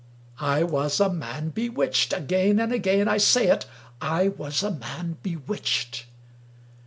I was a man bewitched. Again and again I say it — I was a man bewitched!